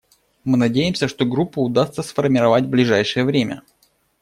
Мы надеемся, что Группу удастся сформировать в ближайшее время.